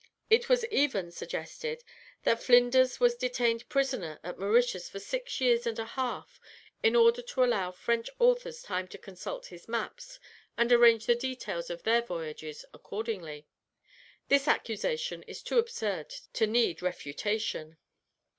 It was even suggested that Flinders was detained prisoner at Mauritius for six years and a half, in order to allow French authors time to consult his maps, and arrange the details of their voyages accordingly. This accusation is too absurd to need refutation.